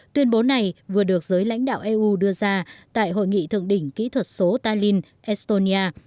tuyên bố này vừa được giới lãnh đạo eu đưa ra tại hội nghị thượng đỉnh kỹ thuật số talin estonia